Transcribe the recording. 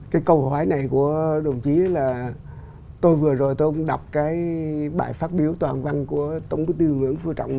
cái câu hỏi này của đồng chí là tôi vừa rồi tôi cũng đọc cái bài phát biểu toàn văn của tổng quốc tư nguyễn phương trọng